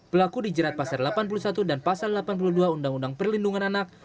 pelaku dijerat pasal delapan puluh satu dan pasal delapan puluh dua undang undang perlindungan anak